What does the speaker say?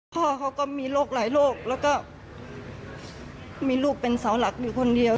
พ่อเขาก็มีโรคหลายโรคแล้วก็มีลูกเป็นเสาหลักอยู่คนเดียว